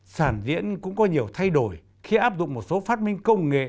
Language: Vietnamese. sản diễn cũng có nhiều thay đổi khi áp dụng một số phát minh công nghệ